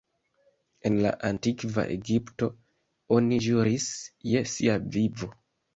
En la antikva Egipto, oni ĵuris je sia vivo.